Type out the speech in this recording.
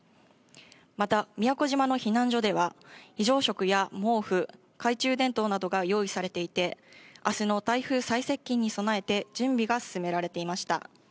また、宮古島の避難所では、非常食や毛布、懐中電灯などが用意されていて、あすの台風最接近に備えて、準備が進められていました。